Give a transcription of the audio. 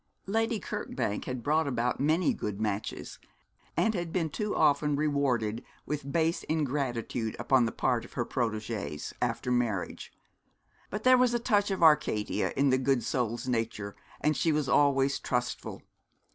Lady Kirkbank had brought about many good matches, and had been too often rewarded with base ingratitude upon the part of her protégées, after marriage; but there was a touch of Arcady in the good soul's nature, and she was always trustful.